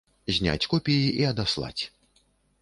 Зняць копіі і адаслаць.